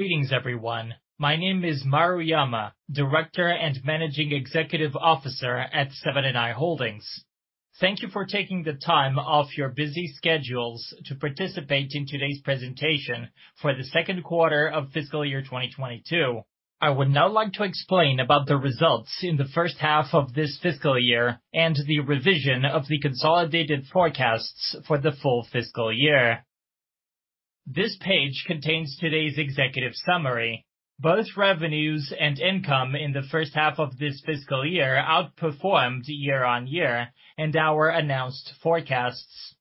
Greetings everyone. My name is Maruyama, Director and Managing Executive Officer at Seven & i Holdings. Thank you for taking the time off your busy schedules to participate in today's presentation for the second quarter of fiscal year 2022. I would now like to explain about the results in the first half of this fiscal year and the revision of the consolidated forecasts for the full fiscal year. This page contains today's executive summary. Both revenues and income in the first half of this fiscal year outperformed year-on-year and our announced forecasts.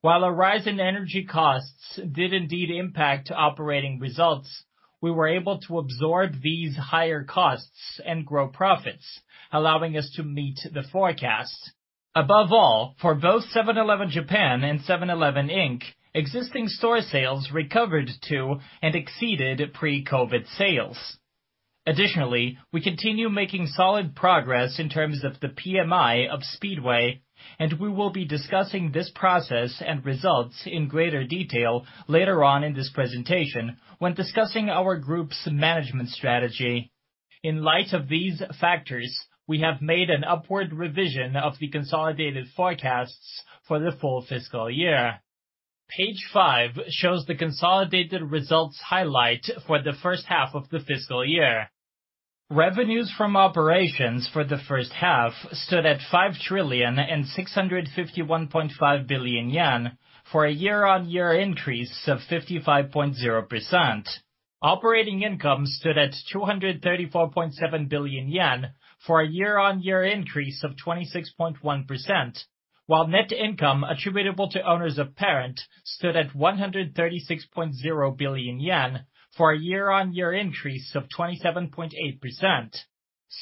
While a rise in energy costs did indeed impact operating results, we were able to absorb these higher costs and grow profits, allowing us to meet the forecast. Above all, for both Seven-Eleven Japan and 7-Eleven, Inc., existing store sales recovered to and exceeded pre-COVID sales. We continue making solid progress in terms of the PMI of Speedway, and we will be discussing this process and results in greater detail later on in this presentation when discussing our group's management strategy. In light of these factors, we have made an upward revision of the consolidated forecasts for the full fiscal year. Page 5 shows the consolidated results highlight for the first half of the fiscal year. Revenues from operations for the first half stood at 5 trillion 651.5 billion for a year-on-year increase of 55.0%. Operating income stood at 234.7 billion yen for a year-on-year increase of 26.1%, while net income attributable to owners of parent stood at 136.0 billion yen for a year-on-year increase of 27.8%.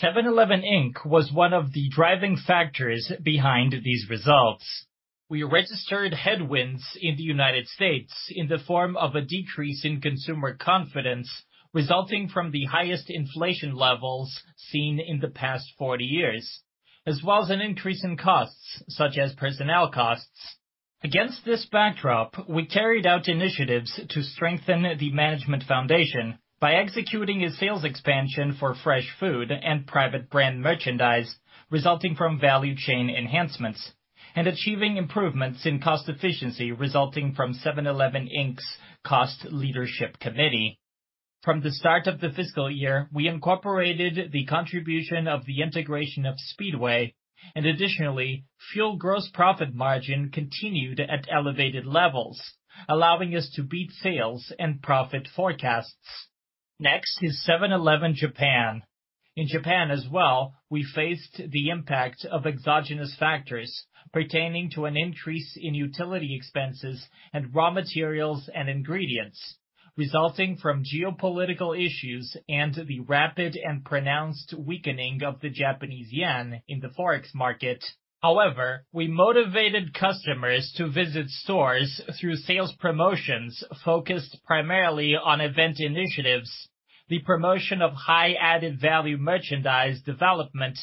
7-Eleven, Inc. was one of the driving factors behind these results. We registered headwinds in the U.S. in the form of a decrease in consumer confidence resulting from the highest inflation levels seen in the past 40 years, as well as an increase in costs such as personnel costs. Against this backdrop, we carried out initiatives to strengthen the management foundation by executing a sales expansion for fresh food and private brand merchandise resulting from value chain enhancements and achieving improvements in cost efficiency resulting from 7-Eleven, Inc.'s Cost Leadership Committee. From the start of the fiscal year, we incorporated the contribution of the integration of Speedway, additionally, fuel gross profit margin continued at elevated levels, allowing us to beat sales and profit forecasts. Next is Seven-Eleven Japan. In Japan as well, we faced the impact of exogenous factors pertaining to an increase in utility expenses and raw materials and ingredients resulting from geopolitical issues and the rapid and pronounced weakening of the Japanese yen in the Forex market. We motivated customers to visit stores through sales promotions focused primarily on event initiatives, the promotion of high added value merchandise development,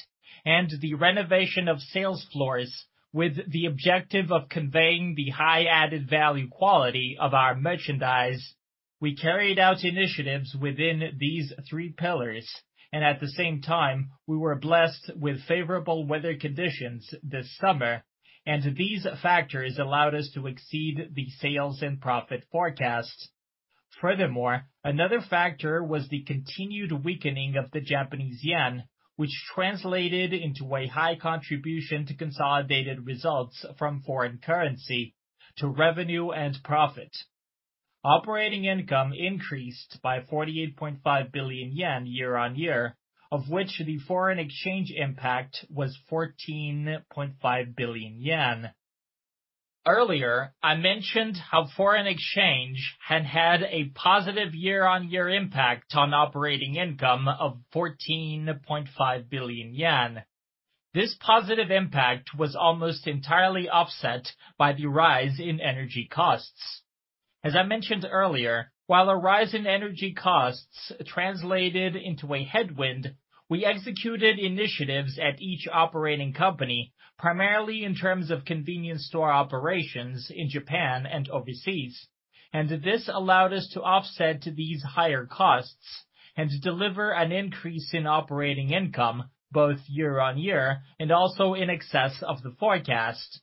and the renovation of sales floors with the objective of conveying the high added value quality of our merchandise. We carried out initiatives within these three pillars, at the same time, we were blessed with favorable weather conditions this summer, these factors allowed us to exceed the sales and profit forecast. Another factor was the continued weakening of the Japanese yen, which translated into a high contribution to consolidated results from foreign currency to revenue and profit. Operating income increased by 48.5 billion yen year-on-year, of which the foreign exchange impact was 14.5 billion yen. Earlier, I mentioned how foreign exchange had had a positive year-on-year impact on operating income of 14.5 billion yen. This positive impact was almost entirely offset by the rise in energy costs. As I mentioned earlier, while a rise in energy costs translated into a headwind, we executed initiatives at each operating company, primarily in terms of convenience store operations in Japan and overseas, and this allowed us to offset these higher costs and deliver an increase in operating income both year-on-year and also in excess of the forecast.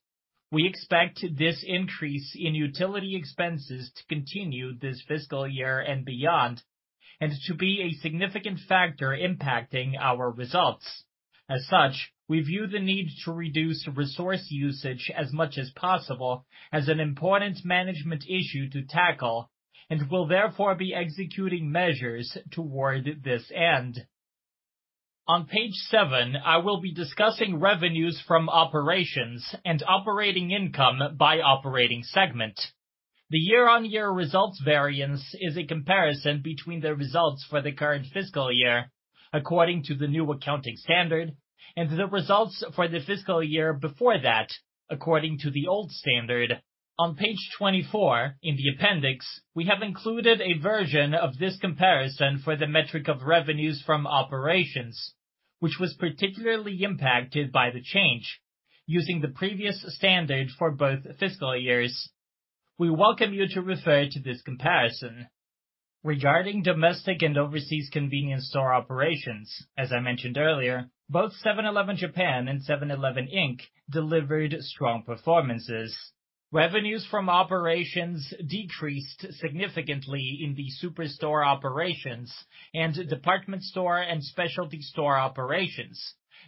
We expect this increase in utility expenses to continue this fiscal year and beyond and to be a significant factor impacting our results. As such, we view the need to reduce resource usage as much as possible as an important management issue to tackle and will therefore be executing measures toward this end. On page seven, I will be discussing revenues from operations and operating income by operating segment. The year-on-year results variance is a comparison between the results for the current fiscal year according to the new accounting standard and the results for the fiscal year before that according to the old standard. On page 24 in the appendix, we have included a version of this comparison for the metric of revenues from operations. Which was particularly impacted by the change using the previous standard for both fiscal years. We welcome you to refer to this comparison. Regarding domestic and overseas convenience store operations, as I mentioned earlier, both 7-Eleven Japan and 7-Eleven, Inc. delivered strong performances. Revenues from operations decreased significantly in the superstore operations and department store and specialty store operations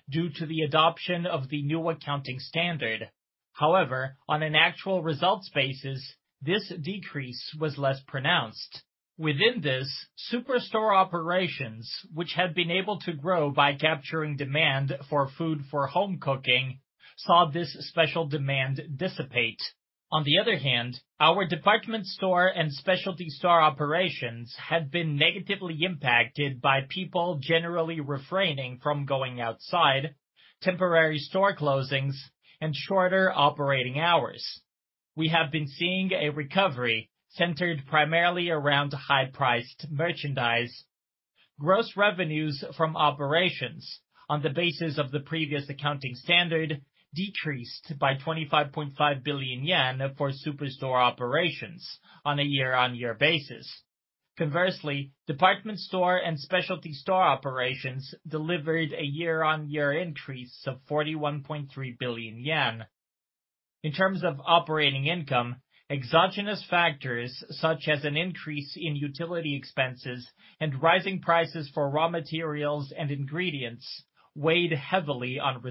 due to the adoption of the new accounting standard. However, on an actual results basis, this decrease was less pronounced. Within this, superstore operations, which had been able to grow by capturing demand for food for home cooking, saw this special demand dissipate. On the other hand, our department store and specialty store operations had been negatively impacted by people generally refraining from going outside, temporary store closings, and shorter operating hours. We have been seeing a recovery centered primarily around high-priced merchandise. Gross revenues from operations on the basis of the previous accounting standard decreased by 25.5 billion yen for superstore operations on a year-on-year basis. Conversely, department store and specialty store operations delivered a year-on-year increase of 41.3 billion yen. In terms of operating income, exogenous factors such as an increase in utility expenses and rising prices for raw materials and ingredients weighed heavily on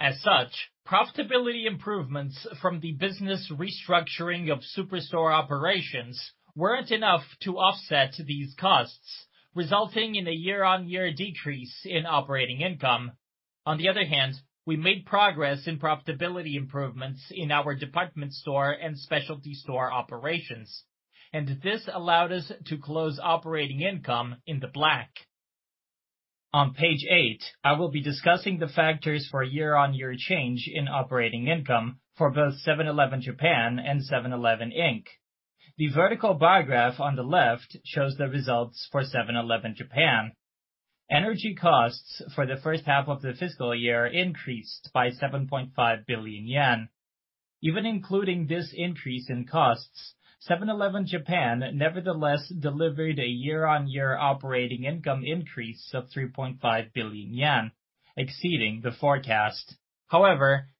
results. As such, profitability improvements from the business restructuring of superstore operations weren't enough to offset these costs, resulting in a year-on-year decrease in operating income. On the other hand, we made progress in profitability improvements in our department store and specialty store operations, and this allowed us to close operating income in the black. On page eight, I will be discussing the factors for year-on-year change in operating income for both 7-Eleven Japan and 7-Eleven, Inc. The vertical bar graph on the left shows the results for 7-Eleven Japan. Energy costs for the first half of the fiscal year increased by 7.5 billion yen. Even including this increase in costs, 7-Eleven Japan nevertheless delivered a year-on-year operating income increase of 3.5 billion yen, exceeding the forecast.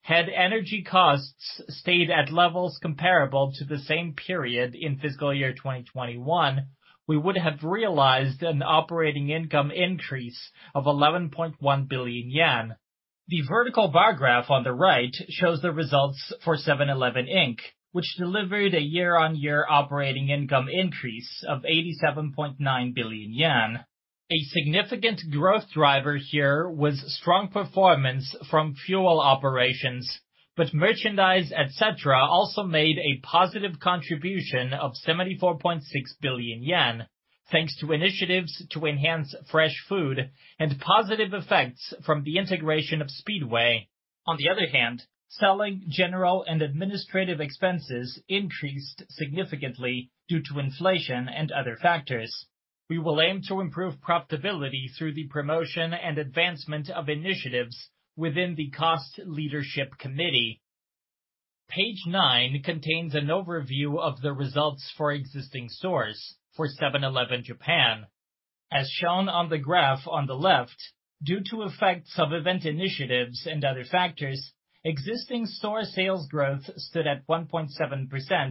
Had energy costs stayed at levels comparable to the same period in fiscal year 2021, we would have realized an operating income increase of 11.1 billion yen. The vertical bar graph on the right shows the results for 7-Eleven, Inc., which delivered a year-on-year operating income increase of 87.9 billion yen. A significant growth driver here was strong performance from fuel operations, but merchandise, et cetera, also made a positive contribution of 74.6 billion yen, thanks to initiatives to enhance fresh food and positive effects from the integration of Speedway. Selling, general, and administrative expenses increased significantly due to inflation and other factors. We will aim to improve profitability through the promotion and advancement of initiatives within the Cost Leadership Committee. Page nine contains an overview of the results for existing stores for Seven-Eleven Japan. As shown on the graph on the left, due to effects of event initiatives and other factors, existing store sales growth stood at 1.7%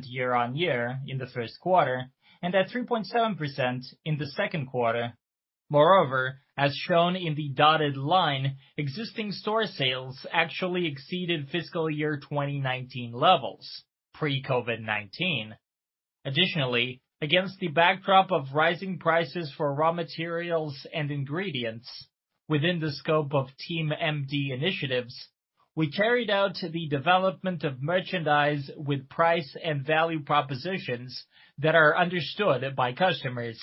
year-on-year in the first quarter and at 3.7% in the second quarter. Moreover, as shown in the dotted line, existing store sales actually exceeded fiscal year 2019 levels, pre-COVID-19. Additionally, against the backdrop of rising prices for raw materials and ingredients within the scope of Team MD initiatives, we carried out the development of merchandise with price and value propositions that are understood by customers.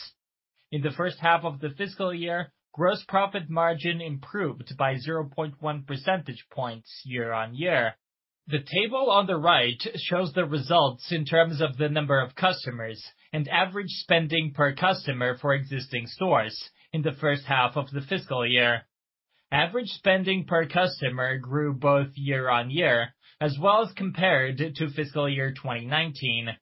In the first half of the fiscal year, gross profit margin improved by 0.1 percentage points year-on-year. The table on the right shows the results in terms of the number of customers and average spending per customer for existing stores in the first half of the fiscal year. Average spending per customer grew both year-on-year as well as compared to fiscal year 2019.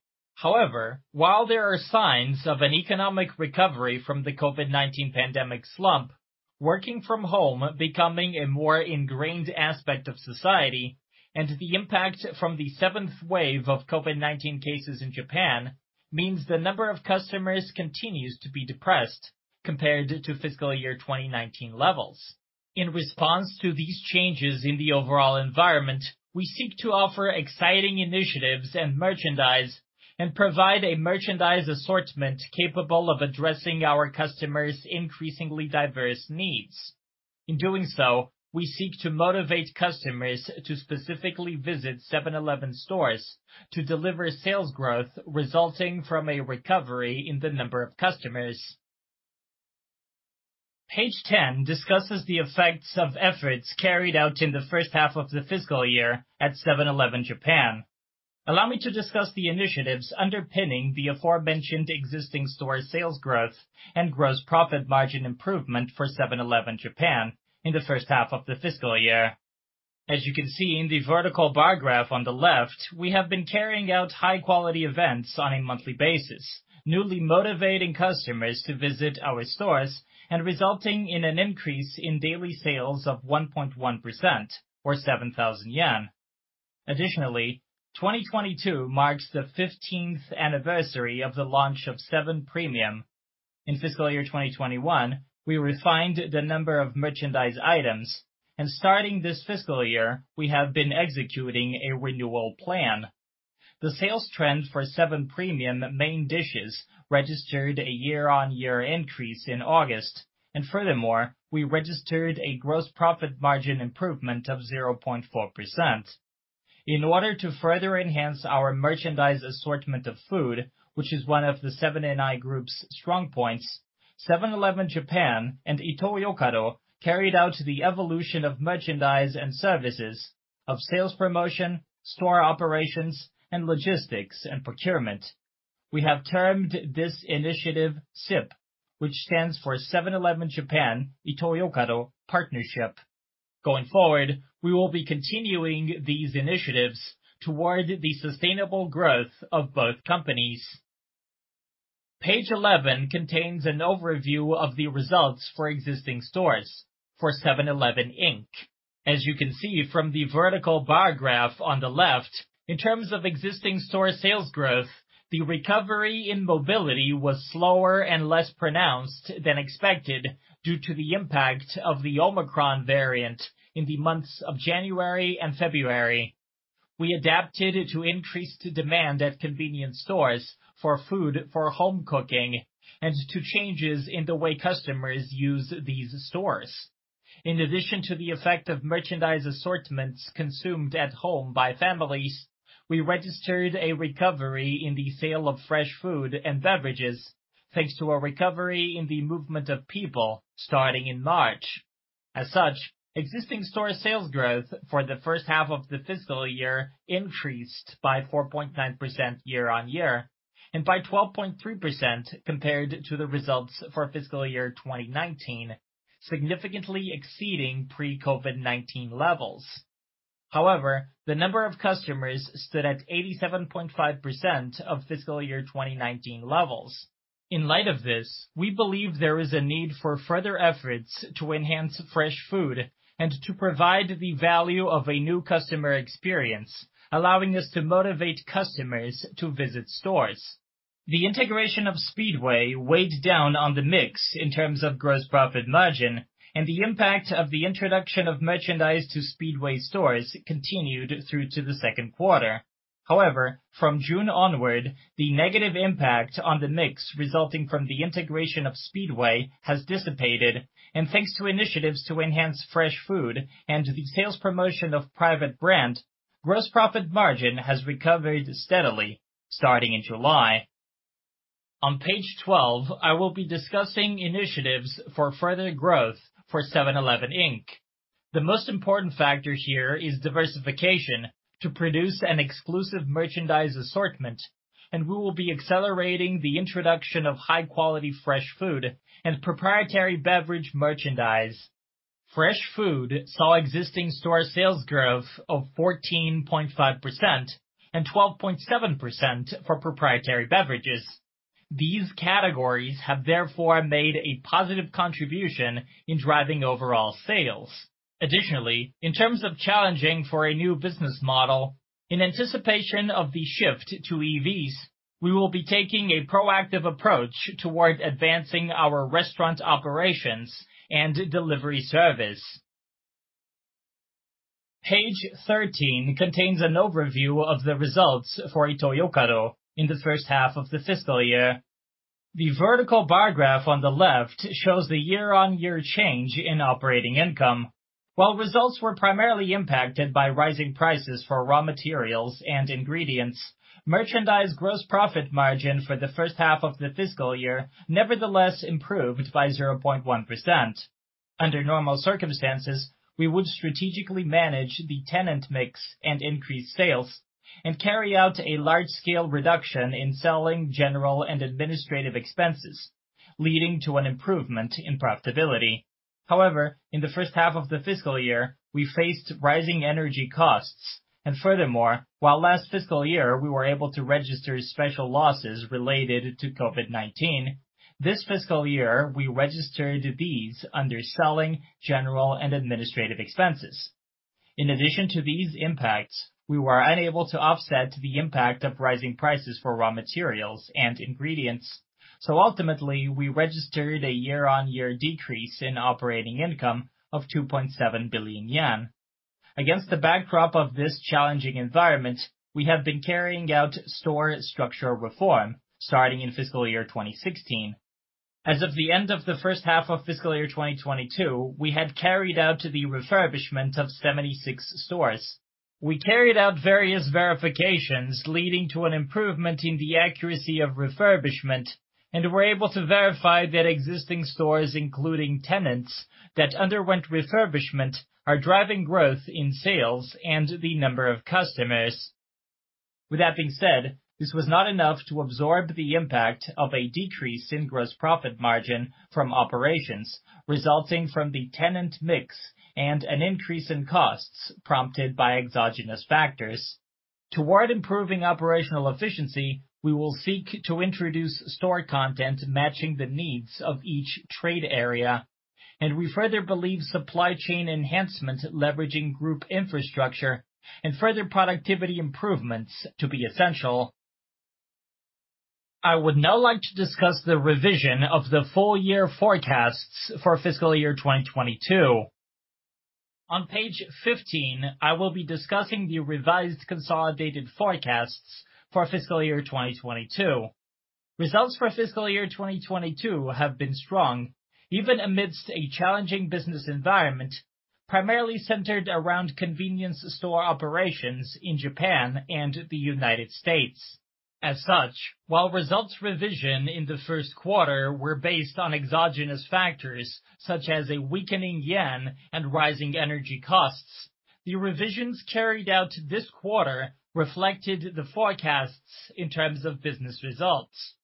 While there are signs of an economic recovery from the COVID-19 pandemic slump, working from home becoming a more ingrained aspect of society, and the impact from the seventh wave of COVID-19 cases in Japan means the number of customers continues to be depressed compared to fiscal year 2019 levels. In response to these changes in the overall environment, we seek to offer exciting initiatives and merchandise and provide a merchandise assortment capable of addressing our customers' increasingly diverse needs. In doing so, we seek to motivate customers to specifically visit 7-Eleven stores to deliver sales growth resulting from a recovery in the number of customers. Page 10 discusses the effects of efforts carried out in the first half of the fiscal year at Seven-Eleven Japan. Allow me to discuss the initiatives underpinning the aforementioned existing store sales growth and gross profit margin improvement for Seven-Eleven Japan in the first half of the fiscal year. As you can see in the vertical bar graph on the left, we have been carrying out high-quality events on a monthly basis, newly motivating customers to visit our stores and resulting in an increase in daily sales of 1.1%, or 7,000 yen. Additionally, 2022 marks the 15th anniversary of the launch of Seven Premium. In fiscal year 2021, we refined the number of merchandise items, and starting this fiscal year, we have been executing a renewal plan. The sales trend for Seven Premium main dishes registered a year-on-year increase in August, and furthermore, we registered a gross profit margin improvement of 0.4%. In order to further enhance our merchandise assortment of food, which is one of the Seven & i Group's strong points, Seven-Eleven Japan and Ito-Yokado carried out the evolution of merchandise and services of sales promotion, store operations, and logistics and procurement. We have termed this initiative SIP, which stands for Seven-Eleven Japan Ito-Yokado Partnership. Going forward, we will be continuing these initiatives toward the sustainable growth of both companies. Page 11 contains an overview of the results for existing stores for 7-Eleven, Inc. As you can see from the vertical bar graph on the left, in terms of existing store sales growth, the recovery in mobility was slower and less pronounced than expected due to the impact of the Omicron variant in the months of January and February. We adapted to increased demand at convenience stores for food for home cooking and to changes in the way customers use these stores. In addition to the effect of merchandise assortments consumed at home by families, we registered a recovery in the sale of fresh food and beverages thanks to a recovery in the movement of people starting in March. As such, existing store sales growth for the first half of the fiscal year increased by 4.9% year-on-year and by 12.3% compared to the results for FY 2019, significantly exceeding pre-COVID-19 levels. However, the number of customers stood at 87.5% of FY 2019 levels. In light of this, we believe there is a need for further efforts to enhance fresh food and to provide the value of a new customer experience, allowing us to motivate customers to visit stores. The integration of Speedway weighed down on the mix in terms of gross profit margin, and the impact of the introduction of merchandise to Speedway stores continued through to the second quarter. However, from June onward, the negative impact on the mix resulting from the integration of Speedway has dissipated, and thanks to initiatives to enhance fresh food and the sales promotion of private brand, gross profit margin has recovered steadily starting in July. On page 12, I will be discussing initiatives for further growth for 7-Eleven, Inc. The most important factor here is diversification to produce an exclusive merchandise assortment, and we will be accelerating the introduction of high-quality fresh food and proprietary beverage merchandise. Fresh food saw existing store sales growth of 14.5% and 12.7% for proprietary beverages. These categories have therefore made a positive contribution in driving overall sales. Additionally, in terms of challenging for a new business model, in anticipation of the shift to EVs, we will be taking a proactive approach toward advancing our restaurant operations and delivery service. Page 13 contains an overview of the results for Ito-Yokado in the first half of the fiscal year. The vertical bar graph on the left shows the year-on-year change in operating income. While results were primarily impacted by rising prices for raw materials and ingredients, merchandise gross profit margin for the first half of the fiscal year nevertheless improved by 0.1%. Under normal circumstances, we would strategically manage the tenant mix and increase sales and carry out a large-scale reduction in selling general and administrative expenses, leading to an improvement in profitability. In the first half of the fiscal year, we faced rising energy costs, and furthermore, while last fiscal year we were able to register special losses related to COVID-19, this fiscal year, we registered these under selling general and administrative expenses. In addition to these impacts, we were unable to offset the impact of rising prices for raw materials and ingredients, so ultimately we registered a year-on-year decrease in operating income of 2.7 billion yen. Against the backdrop of this challenging environment, we have been carrying out store structure reform starting in fiscal year 2016. As of the end of the first half of fiscal year 2022, we had carried out the refurbishment of 76 stores. We carried out various verifications leading to an improvement in the accuracy of refurbishment and were able to verify that existing stores, including tenants that underwent refurbishment, are driving growth in sales and the number of customers. With that being said, this was not enough to absorb the impact of a decrease in gross profit margin from operations resulting from the tenant mix and an increase in costs prompted by exogenous factors. Toward improving operational efficiency, we will seek to introduce store content matching the needs of each trade area, and we further believe supply chain enhancement leveraging group infrastructure and further productivity improvements to be essential. I would now like to discuss the revision of the full-year forecasts for fiscal year 2022. On page 15, I will be discussing the revised consolidated forecasts for fiscal year 2022. Results for fiscal year 2022 have been strong, even amidst a challenging business environment, primarily centered around convenience store operations in Japan and the U.S. While results revision in the first quarter were based on exogenous factors such as a weakening yen and rising energy costs, the revisions carried out this quarter reflected the forecasts in terms of business results.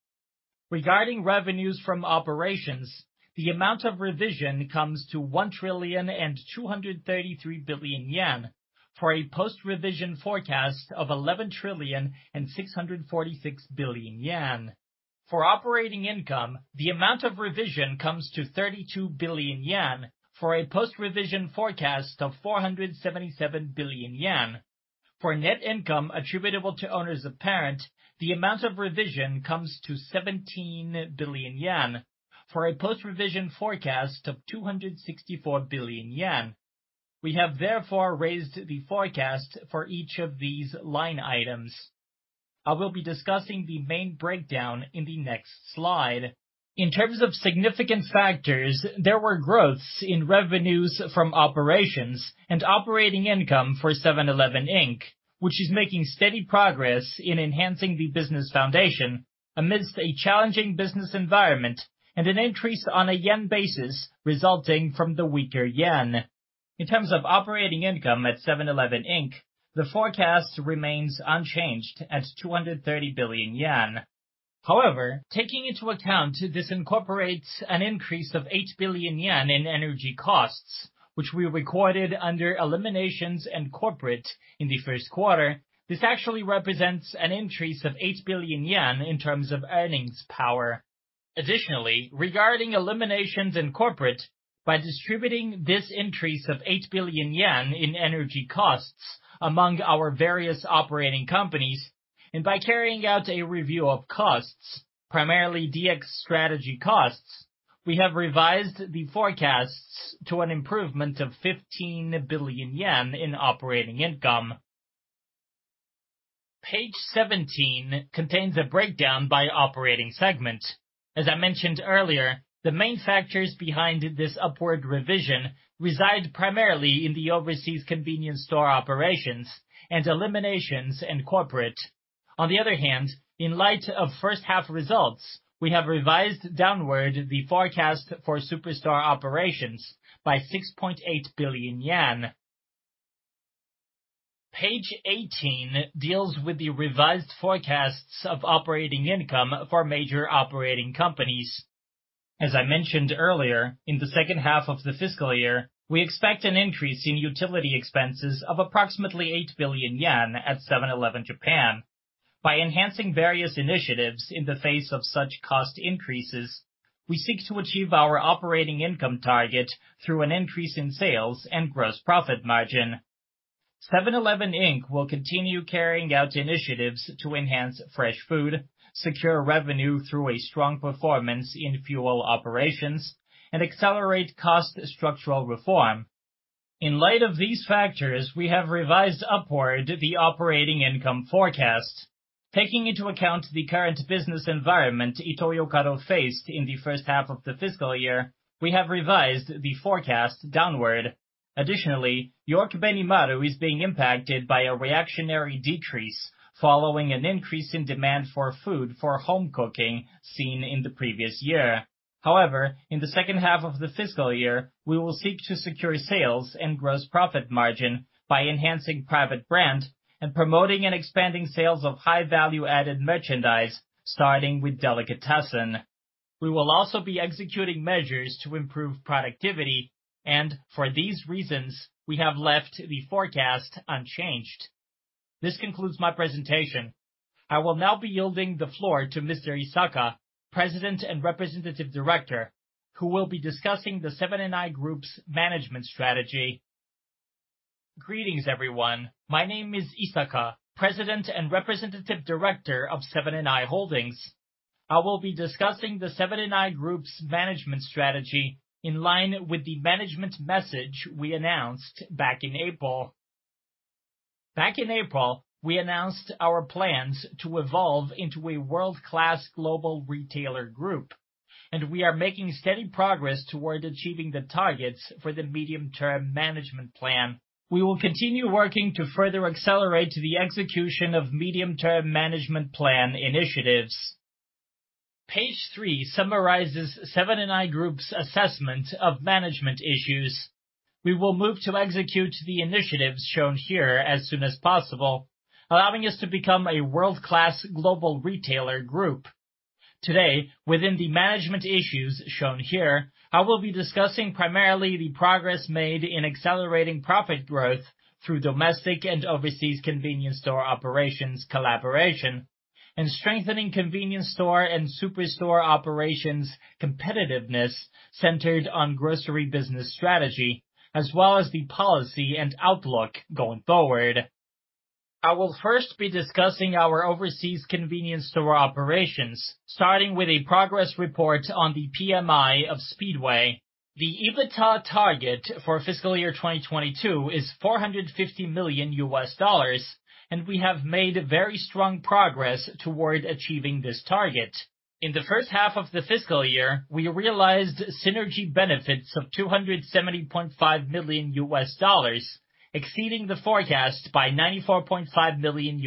Regarding revenues from operations, the amount of revision comes to 1,233 billion yen for a post-revision forecast of 11,646 billion yen. For operating income, the amount of revision comes to 32 billion yen for a post-revision forecast of 477 billion yen. For net income attributable to owners of parent, the amount of revision comes to 17 billion yen for a post-revision forecast of 264 billion yen. We have therefore raised the forecast for each of these line items. I will be discussing the main breakdown in the next slide. In terms of significant factors, there were growths in revenues from operations and operating income for 7-Eleven, Inc., which is making steady progress in enhancing the business foundation amidst a challenging business environment and an increase on a yen basis resulting from the weaker yen. In terms of operating income at 7-Eleven, Inc., the forecast remains unchanged at 230 billion yen. However, taking into account this incorporates an increase of 8 billion yen in energy costs, which we recorded under eliminations and corporate in the first quarter. This actually represents an increase of 8 billion yen in terms of earnings power. Additionally, regarding eliminations in corporate, by distributing this increase of 8 billion yen in energy costs among our various operating companies and by carrying out a review of costs, primarily DX strategy costs, we have revised the forecasts to an improvement of 15 billion yen in operating income. Page 17 contains a breakdown by operating segment. As I mentioned earlier, the main factors behind this upward revision reside primarily in the overseas convenience store operations and eliminations in corporate. On the other hand, in light of first-half results, we have revised downward the forecast for Superstore Operations by 6.8 billion yen. Page 18 deals with the revised forecasts of operating income for major operating companies. As I mentioned earlier, in the second half of the fiscal year, we expect an increase in utility expenses of approximately 8 billion yen at Seven-Eleven Japan. By enhancing various initiatives in the face of such cost increases, we seek to achieve our operating income target through an increase in sales and gross profit margin. 7-Eleven, Inc. will continue carrying out initiatives to enhance fresh food, secure revenue through a strong performance in fuel operations, and accelerate cost structural reform. In light of these factors, we have revised upward the operating income forecast. Taking into account the current business environment Ito-Yokado faced in the first half of the fiscal year, we have revised the forecast downward. Additionally, York-Benimaru is being impacted by a reactionary decrease following an increase in demand for food for home cooking seen in the previous year. However, in the second half of the fiscal year, we will seek to secure sales and gross profit margin by enhancing private brand and promoting and expanding sales of high-value-added merchandise, starting with delicatessen. We will also be executing measures to improve productivity, and for these reasons, we have left the forecast unchanged. This concludes my presentation. I will now be yielding the floor to Mr. Isaka, President and Representative Director, who will be discussing the Seven & i Group's management strategy. Greetings, everyone. My name is Isaka, President and Representative Director of Seven & i Holdings. I will be discussing the Seven & i Group's management strategy in line with the management message we announced back in April. Back in April, we announced our plans to evolve into a world-class global retailer group, and we are making steady progress toward achieving the targets for the Medium-Term Management Plan. We will continue working to further accelerate the execution of Medium-Term Management Plan initiatives. Page three summarizes Seven & i Group's assessment of management issues. We will move to execute the initiatives shown here as soon as possible, allowing us to become a world-class global retailer group. Today, within the management issues shown here, I will be discussing primarily the progress made in accelerating profit growth through domestic and overseas convenience store operations collaboration, and strengthening convenience store and superstore operations competitiveness centered on grocery business strategy, as well as the policy and outlook going forward. I will first be discussing our overseas convenience store operations, starting with a progress report on the PMI of Speedway. The EBITDA target for FY 2022 is $450 million, and we have made very strong progress toward achieving this target. In the first half of the fiscal year, we realized synergy benefits of $270.5 million, exceeding the forecast by $94.5 million.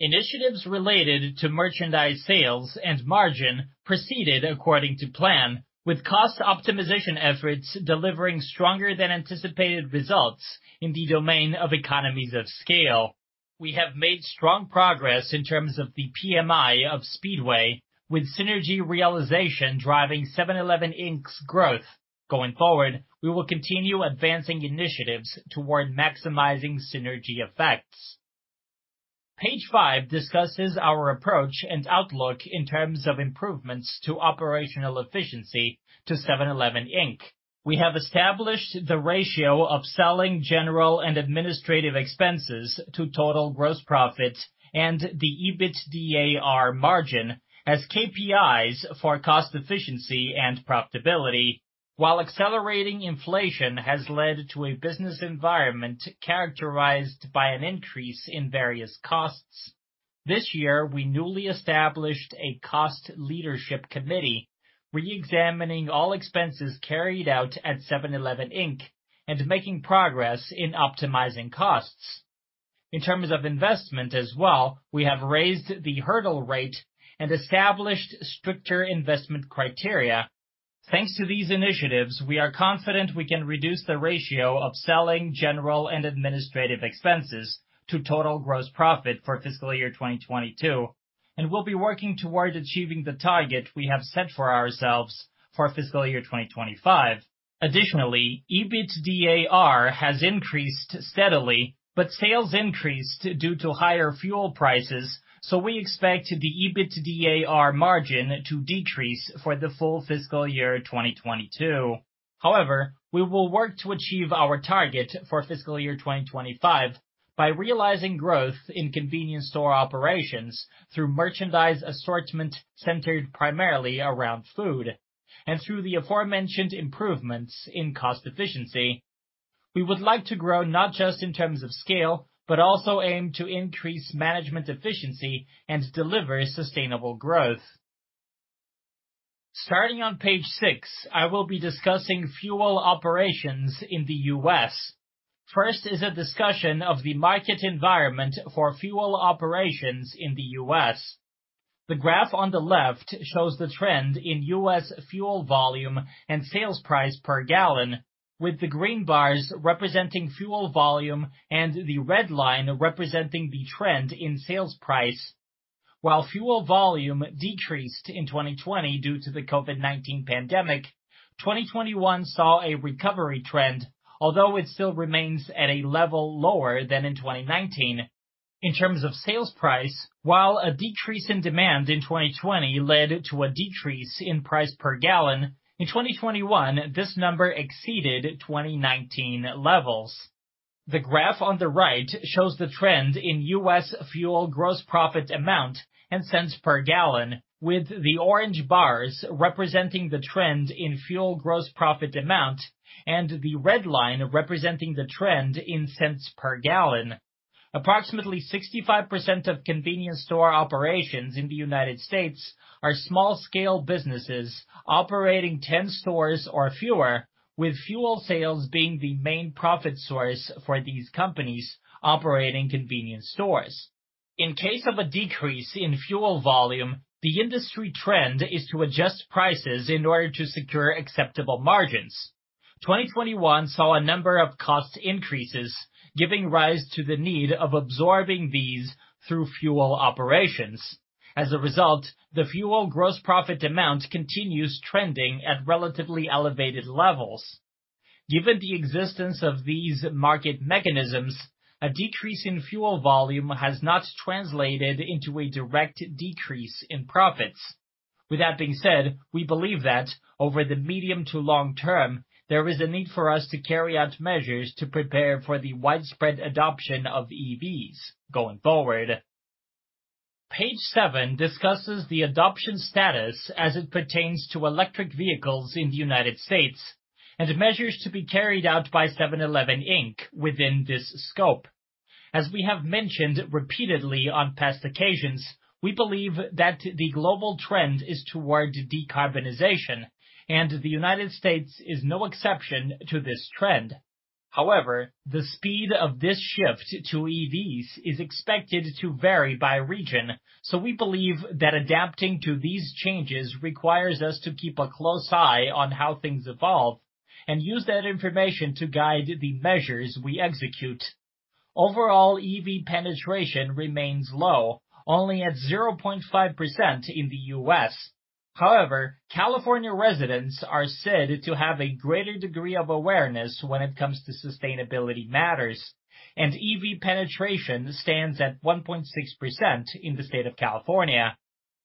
Initiatives related to merchandise sales and margin proceeded according to plan, with cost optimization efforts delivering stronger than anticipated results in the domain of economies of scale. We have made strong progress in terms of the PMI of Speedway, with synergy realization driving 7-Eleven, Inc.'s growth. Going forward, we will continue advancing initiatives toward maximizing synergy effects. Page five discusses our approach and outlook in terms of improvements to operational efficiency to 7-Eleven, Inc. We have established the ratio of selling general and administrative expenses to total gross profit and the EBITDA margin as KPIs for cost efficiency and profitability, while accelerating inflation has led to a business environment characterized by an increase in various costs. This year, we newly established a Cost Leadership Committee, re-examining all expenses carried out at 7-Eleven, Inc., and making progress in optimizing costs. In terms of investment as well, we have raised the hurdle rate and established stricter investment criteria. Thanks to these initiatives, we are confident we can reduce the ratio of selling general and administrative expenses to total gross profit for fiscal year 2022, and we'll be working toward achieving the target we have set for ourselves for fiscal year 2025. Additionally, EBITDA has increased steadily, but sales increased due to higher fuel prices, so we expect the EBITDA margin to decrease for the full fiscal year 2022. However, we will work to achieve our target for fiscal year 2025 by realizing growth in convenience store operations through merchandise assortment centered primarily around food, and through the aforementioned improvements in cost efficiency. We would like to grow not just in terms of scale, but also aim to increase management efficiency and deliver sustainable growth. Starting on page six, I will be discussing fuel operations in the U.S. First is a discussion of the market environment for fuel operations in the U.S. The graph on the left shows the trend in U.S. fuel volume and sales price per gallon, with the green bars representing fuel volume and the red line representing the trend in sales price. While fuel volume decreased in 2020 due to the COVID-19 pandemic, 2021 saw a recovery trend, although it still remains at a level lower than in 2019. In terms of sales price, while a decrease in demand in 2020 led to a decrease in price per gallon, in 2021, this number exceeded 2019 levels. The graph on the right shows the trend in U.S. fuel gross profit amount and cents per gallon, with the orange bars representing the trend in fuel gross profit amount and the red line representing the trend in cents per gallon. Approximately 65% of convenience store operations in the United States are small-scale businesses operating 10 stores or fewer, with fuel sales being the main profit source for these companies operating convenience stores. In case of a decrease in fuel volume, the industry trend is to adjust prices in order to secure acceptable margins. 2021 saw a number of cost increases, giving rise to the need of absorbing these through fuel operations. As a result, the fuel gross profit amount continues trending at relatively elevated levels. Given the existence of these market mechanisms, a decrease in fuel volume has not translated into a direct decrease in profits. With that being said, we believe that over the medium to long-term, there is a need for us to carry out measures to prepare for the widespread adoption of EVs going forward. Page seven discusses the adoption status as it pertains to electric vehicles in the United States and measures to be carried out by 7-Eleven, Inc. within this scope. As we have mentioned repeatedly on past occasions, we believe that the global trend is toward decarbonization, and the United States is no exception to this trend. However, the speed of this shift to EVs is expected to vary by region, so we believe that adapting to these changes requires us to keep a close eye on how things evolve and use that information to guide the measures we execute. Overall EV penetration remains low, only at 0.5% in the U.S. California residents are said to have a greater degree of awareness when it comes to sustainability matters, and EV penetration stands at 1.6% in the state of California.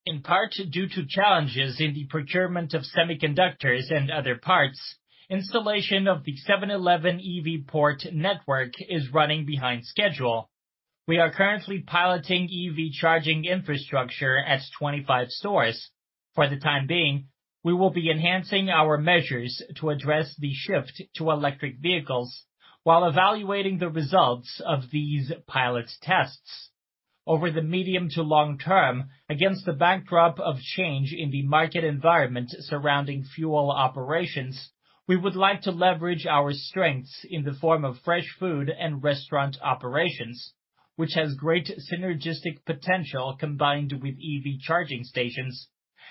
In part, due to challenges in the procurement of semiconductors and other parts, installation of the 7-Eleven EV port network is running behind schedule. We are currently piloting EV charging infrastructure at 25 stores. For the time being, we will be enhancing our measures to address the shift to electric vehicles while evaluating the results of these pilot tests. Over the medium to long-term, against the backdrop of change in the market environment surrounding fuel operations, we would like to leverage our strengths in the form of fresh food and restaurant operations, which has great synergistic potential combined with EV charging stations,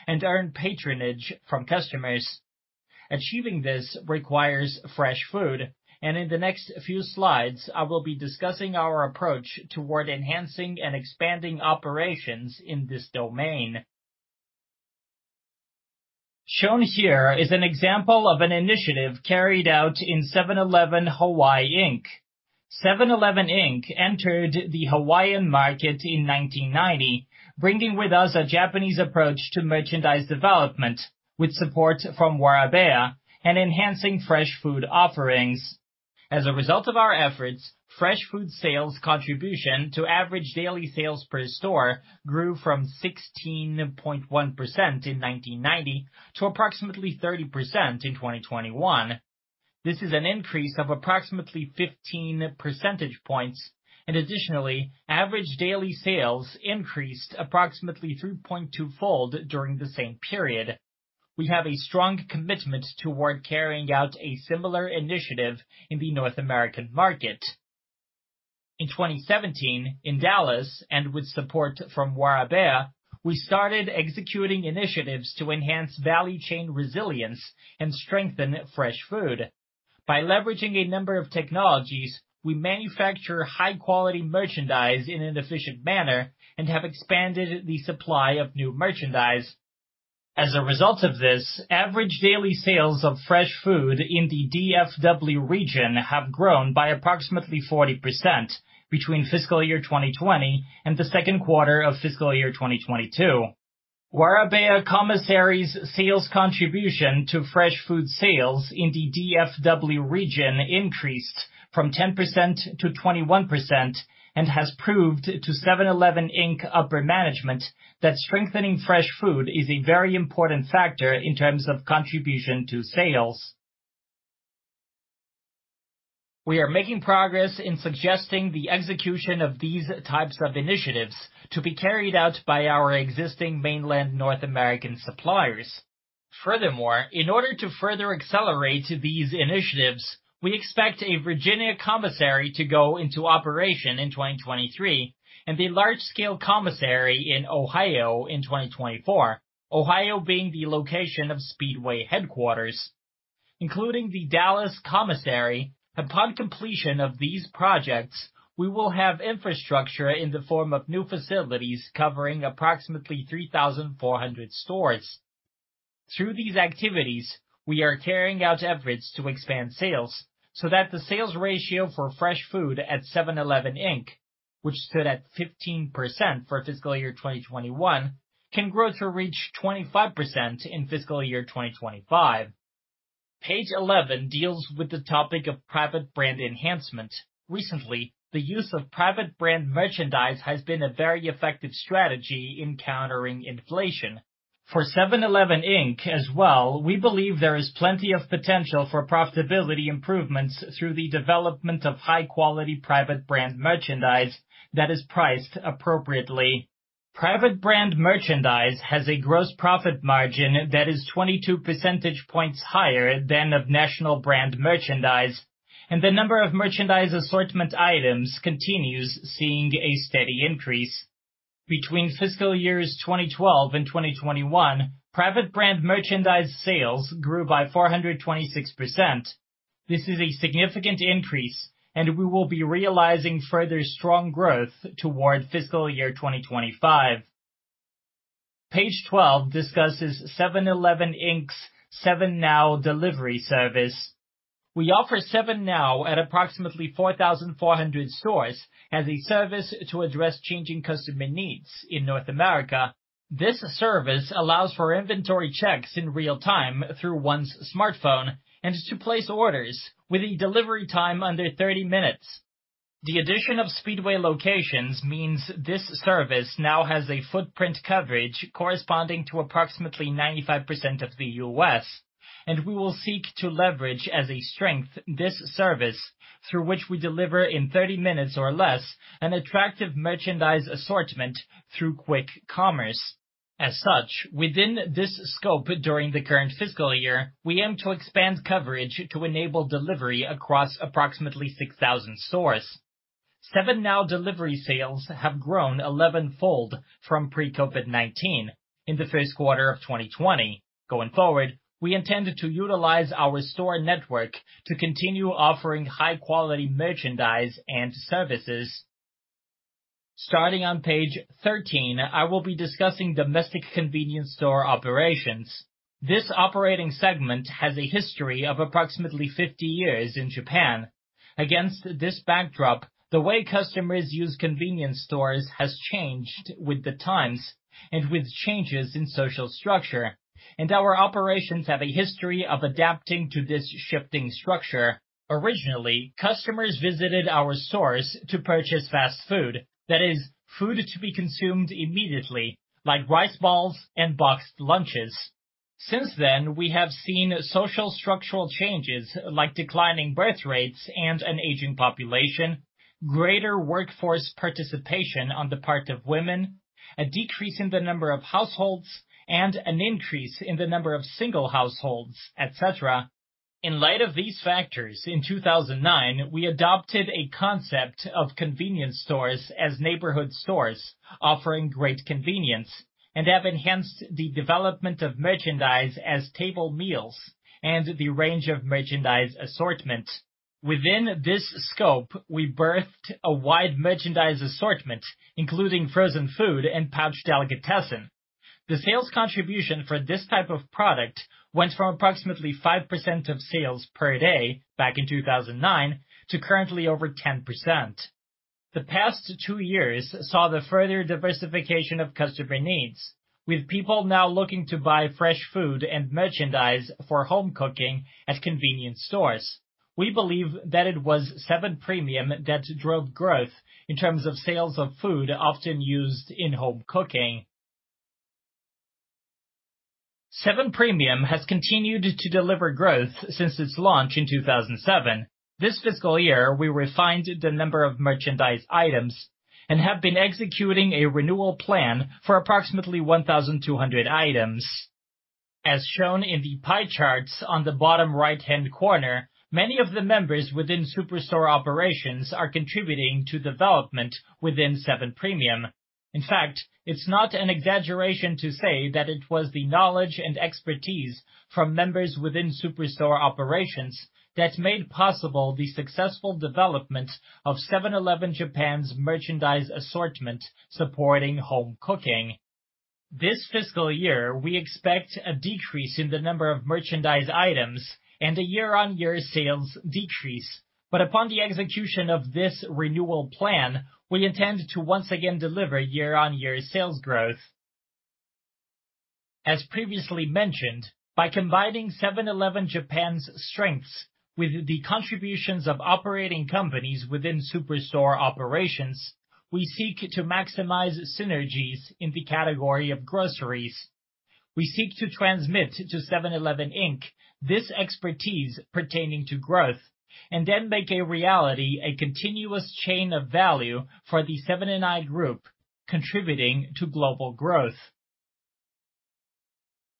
and earn patronage from customers. Achieving this requires fresh food. In the next few slides, I will be discussing our approach toward enhancing and expanding operations in this domain. Shown here is an example of an initiative carried out in SEVEN-ELEVEN HAWAII, INC. 7-Eleven, Inc. entered the Hawaiian market in 1990, bringing with us a Japanese approach to merchandise development with support from Warabeya and enhancing fresh food offerings. As a result of our efforts, fresh food sales contribution to average daily sales per store grew from 16.1% in 1990 to approximately 30% in 2021. This is an increase of approximately 15 percentage points. Additionally, average daily sales increased approximately 3.2-fold during the same period. We have a strong commitment toward carrying out a similar initiative in the North American market. In 2017, in Dallas, with support from Warabeya, we started executing initiatives to enhance value chain resilience and strengthen fresh food. By leveraging a number of technologies, we manufacture high-quality merchandise in an efficient manner and have expanded the supply of new merchandise. As a result of this, average daily sales of fresh food in the DFW region have grown by approximately 40% between fiscal year 2020 and the second quarter of fiscal year 2022. Warabeya Commissary's sales contribution to fresh food sales in the DFW region increased from 10% to 21% and has proved to 7-Eleven, Inc. upper management that strengthening fresh food is a very important factor in terms of contribution to sales. We are making progress in suggesting the execution of these types of initiatives to be carried out by our existing mainland North American suppliers. Furthermore, in order to further accelerate these initiatives, we expect a Virginia commissary to go into operation in 2023 and a large-scale commissary in Ohio in 2024, Ohio being the location of Speedway headquarters. Including the Dallas commissary, upon completion of these projects, we will have infrastructure in the form of new facilities covering approximately 3,400 stores. Through these activities, we are carrying out efforts to expand sales so that the sales ratio for fresh food at 7-Eleven, Inc., which stood at 15% for fiscal year 2021, can grow to reach 25% in fiscal year 2025. Page 11 deals with the topic of private brand enhancement. Recently, the use of private brand merchandise has been a very effective strategy in countering inflation. For 7-Eleven, Inc. as well, we believe there is plenty of potential for profitability improvements through the development of high-quality private brand merchandise that is priced appropriately. Private brand merchandise has a gross profit margin that is 22 percentage points higher than of national brand merchandise, and the number of merchandise assortment items continues seeing a steady increase. Between fiscal years 2012 and 2021, private brand merchandise sales grew by 426%. This is a significant increase. We will be realizing further strong growth toward fiscal year 2025. Page 12 discusses 7-Eleven, Inc.'s 7NOW delivery service. We offer 7NOW at approximately 4,400 stores as a service to address changing customer needs in North America. This service allows for inventory checks in real time through one's smartphone and to place orders with a delivery time under 30 minutes. The addition of Speedway locations means this service now has a footprint coverage corresponding to approximately 95% of the US. We will seek to leverage as a strength this service through which we deliver in 30 minutes or less an attractive merchandise assortment through quick commerce. As such, within this scope during the current fiscal year, we aim to expand coverage to enable delivery across approximately 6,000 stores. 7NOW delivery sales have grown 11-fold from pre-COVID-19 in the first quarter of 2020. Going forward, we intend to utilize our store network to continue offering high-quality merchandise and services. Starting on page 13, I will be discussing domestic convenience store operations. This operating segment has a history of approximately 50 years in Japan. Against this backdrop, the way customers use convenience stores has changed with the times and with changes in social structure. Our operations have a history of adapting to this shifting structure. Originally, customers visited our stores to purchase fast food. That is, food to be consumed immediately, like rice balls and boxed lunches. Since then, we have seen social structural changes like declining birth rates and an aging population, greater workforce participation on the part of women, a decrease in the number of households, and an increase in the number of single households, et cetera. In light of these factors, in 2009, we adopted a concept of convenience stores as neighborhood stores offering great convenience and have enhanced the development of merchandise as table meals and the range of merchandise assortment. Within this scope, we birthed a wide merchandise assortment, including frozen food and pouched delicatessen. The sales contribution for this type of product went from approximately 5% of sales per day back in 2009 to currently over 10%. The past two years saw the further diversification of customer needs, with people now looking to buy fresh food and merchandise for home cooking at convenience stores. We believe that it was Seven Premium that drove growth in terms of sales of food often used in home cooking. Seven Premium has continued to deliver growth since its launch in 2007. This fiscal year, we refined the number of merchandise items and have been executing a renewal plan for approximately 1,200 items. As shown in the pie charts on the bottom right-hand corner, many of the members within super store operations are contributing to development within Seven Premium. In fact, it's not an exaggeration to say that it was the knowledge and expertise from members within super store operations that made possible the successful development of 7-Eleven Japan's merchandise assortment supporting home cooking. This fiscal year, we expect a decrease in the number of merchandise items and a year-on-year sales decrease. Upon the execution of this renewal plan, we intend to once again deliver year-on-year sales growth. As previously mentioned, by combining 7-Eleven Japan's strengths with the contributions of operating companies within super store operations, we seek to maximize synergies in the category of groceries. We seek to transmit to 7-Eleven Inc. this expertise pertaining to growth, and then make a reality a continuous chain of value for the Seven & i Group, contributing to global growth.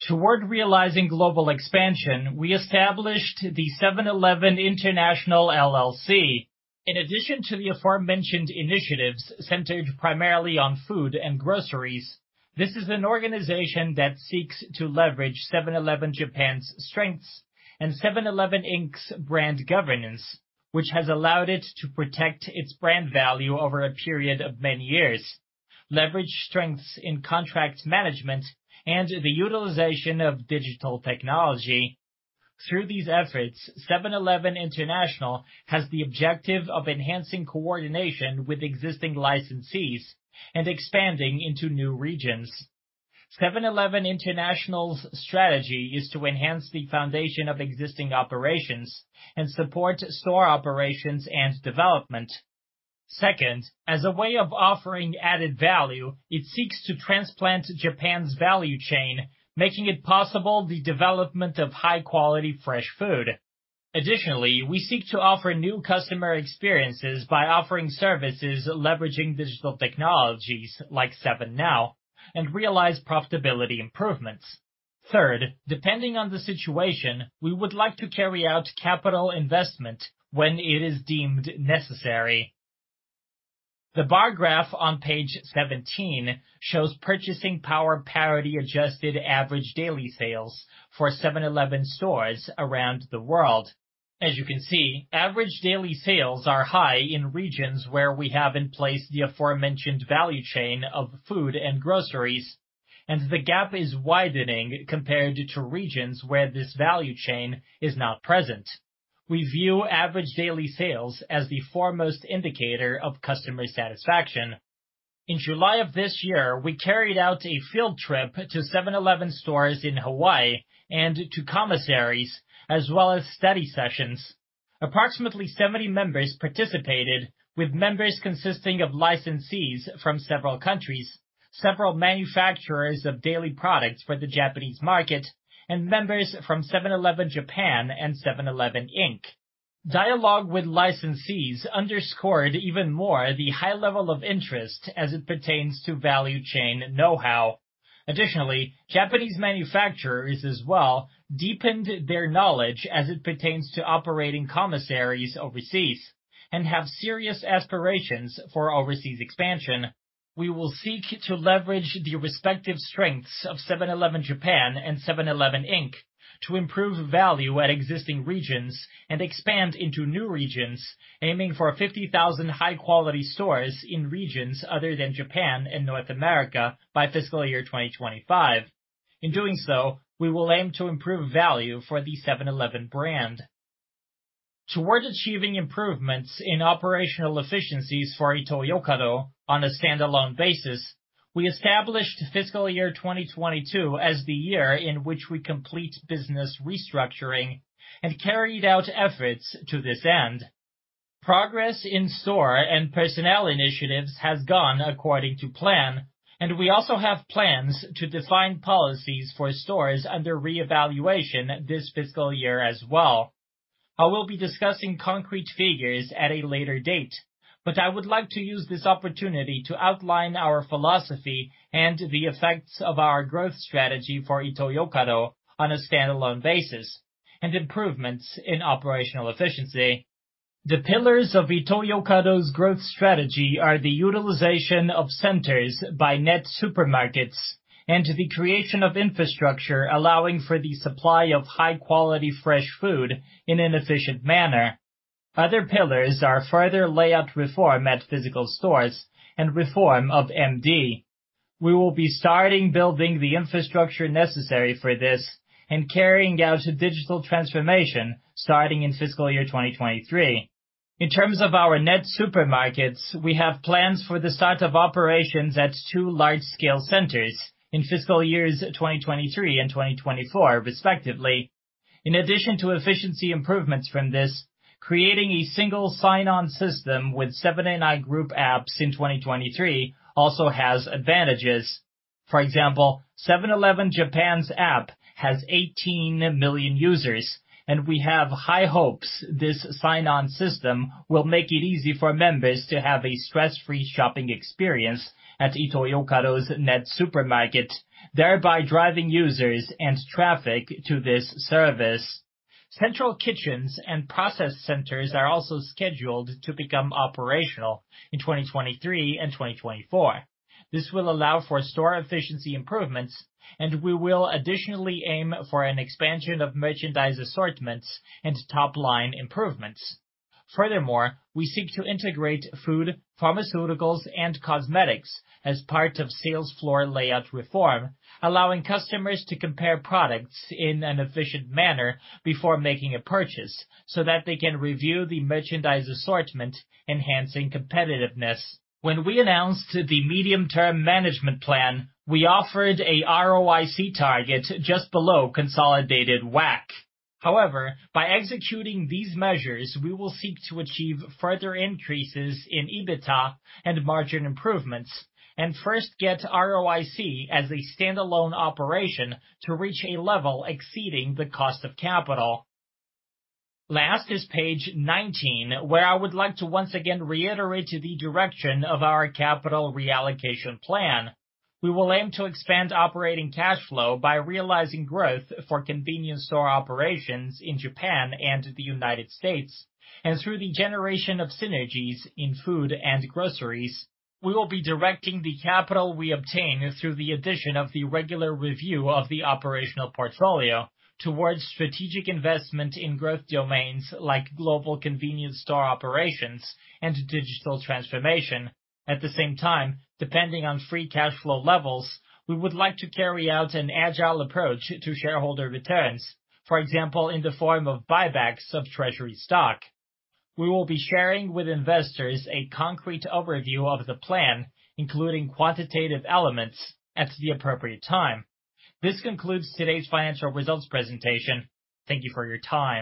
Toward realizing global expansion, we established the 7-Eleven International LLC. In addition to the aforementioned initiatives centered primarily on food and groceries, this is an organization that seeks to leverage 7-Eleven Japan's strengths and 7-Eleven Inc.'s brand governance, which has allowed it to protect its brand value over a period of many years, leverage strengths in contract management, and the utilization of digital technology. Through these efforts, 7-Eleven International has the objective of enhancing coordination with existing licensees and expanding into new regions. 7-Eleven International's strategy is to enhance the foundation of existing operations and support store operations and development. As a way of offering added value, it seeks to transplant Japan's value chain, making it possible the development of high-quality fresh food. Additionally, we seek to offer new customer experiences by offering services leveraging digital technologies like 7NOW and realize profitability improvements. Depending on the situation, we would like to carry out capital investment when it is deemed necessary. The bar graph on page 17 shows purchasing power parity adjusted average daily sales for 7-Eleven stores around the world. As you can see, average daily sales are high in regions where we have in place the aforementioned value chain of food and groceries, and the gap is widening compared to regions where this value chain is not present. We view average daily sales as the foremost indicator of customer satisfaction. In July of this year, we carried out a field trip to 7-Eleven stores in Hawaii and to commissaries, as well as study sessions. Approximately 70 members participated, with members consisting of licensees from several countries, several manufacturers of daily products for the Japanese market, and members from 7-Eleven Japan and 7-Eleven Inc. Dialogue with licensees underscored even more the high level of interest as it pertains to value chain know-how. Additionally, Japanese manufacturers as well deepened their knowledge as it pertains to operating commissaries overseas and have serious aspirations for overseas expansion. We will seek to leverage the respective strengths of Seven-Eleven Japan and 7-Eleven, Inc. to improve value at existing regions and expand into new regions, aiming for 50,000 high-quality stores in regions other than Japan and North America by FY 2025. In doing so, we will aim to improve value for the 7-Eleven brand. Towards achieving improvements in operational efficiencies for Ito-Yokado on a standalone basis, we established FY 2022 as the year in which we complete business restructuring and carried out efforts to this end. Progress in store and personnel initiatives has gone according to plan, and we also have plans to define policies for stores under reevaluation this fiscal year as well. I will be discussing concrete figures at a later date, but I would like to use this opportunity to outline our philosophy and the effects of our growth strategy for Ito-Yokado on a standalone basis and improvements in operational efficiency. The pillars of Ito-Yokado's growth strategy are the utilization of centers by net supermarkets and the creation of infrastructure allowing for the supply of high-quality fresh food in an efficient manner. Other pillars are further layout reform at physical stores and reform of MD. We will be starting building the infrastructure necessary for this and carrying out a digital transformation starting in FY 2023. In terms of our net supermarkets, we have plans for the start of operations at two large-scale centers in FY 2023 and FY 2024, respectively. In addition to efficiency improvements from this, creating a single sign-on system with Seven & i Group apps in 2023 also has advantages. For example, Seven-Eleven Japan's app has 18 million users, and we have high hopes this sign-on system will make it easy for members to have a stress-free shopping experience at Ito-Yokado's net supermarket, thereby driving users and traffic to this service. Central kitchens and process centers are also scheduled to become operational in 2023 and 2024. This will allow for store efficiency improvements, and we will additionally aim for an expansion of merchandise assortments and top-line improvements. Furthermore, we seek to integrate food, pharmaceuticals, and cosmetics as part of sales floor layout reform, allowing customers to compare products in an efficient manner before making a purchase so that they can review the merchandise assortment, enhancing competitiveness. When we announced the Medium-Term Management Plan, we offered a ROIC target just below consolidated WACC. However, by executing these measures, we will seek to achieve further increases in EBITDA and margin improvements and first get ROIC as a standalone operation to reach a level exceeding the cost of capital. Last is page 19, where I would like to once again reiterate the direction of our capital reallocation plan. We will aim to expand operating cash flow by realizing growth for convenience store operations in Japan and the United States and through the generation of synergies in food and groceries. We will be directing the capital we obtain through the addition of the regular review of the operational portfolio towards strategic investment in growth domains like global convenience store operations and digital transformation. At the same time, depending on free cash flow levels, we would like to carry out an agile approach to shareholder returns, for example, in the form of buybacks of treasury stock. We will be sharing with investors a concrete overview of the plan, including quantitative elements at the appropriate time. This concludes today's financial results presentation. Thank you for your time.